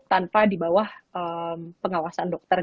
tanpa di bawah pengawasan dokter